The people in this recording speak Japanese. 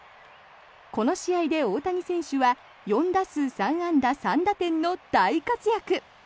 この試合で大谷選手は４打数３安打３打点の大活躍。